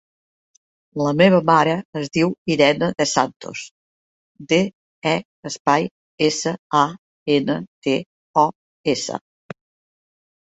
La meva mare es diu Irene De Santos: de, e, espai, essa, a, ena, te, o, essa.